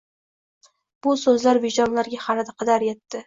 bu so'zlar vijdonlarga qadar yetdi.